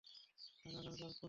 আমি আগামীকাল কোর্টে যাচ্ছি।